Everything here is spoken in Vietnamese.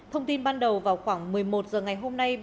thông tin ban đầu vào khoảng một mươi một h ngày hôm nay